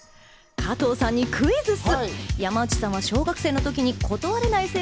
加藤さんにクイズッス！